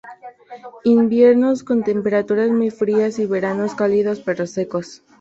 Inviernos con temperaturas muy frías y veranos cálidos pero secos.